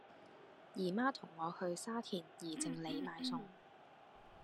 姨媽同我去沙田宜正里買餸